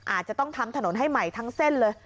อาจจะต้องทำถนนให้ใหม่ทั้งเส้นเลย